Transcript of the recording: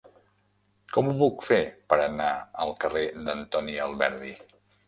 Com ho puc fer per anar al carrer d'Antoni Alberdi?